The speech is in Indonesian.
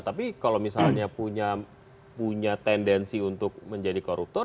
tapi kalau misalnya punya tendensi untuk menjadi koruptor